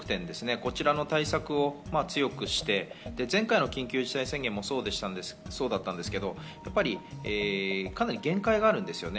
こちらの対策を強くして、前回の緊急事態宣言もそうでしたが、かなり限界があるんですよね。